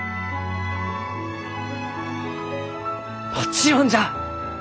もちろんじゃ！